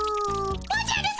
おじゃるさま！